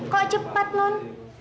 kok cepat non